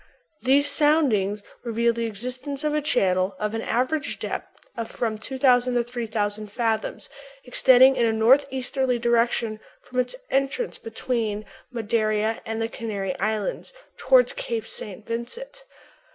"These soundings reveal the existence of a channel of an average depth of from 2000 to 3000 fathoms, extending in a northeasterly direction from its entrance between Madeira and the Canary Islands toward Cape St. Vincent....